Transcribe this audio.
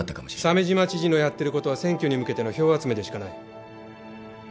鮫島知事のやってることは選挙に向けての票集めでしかない。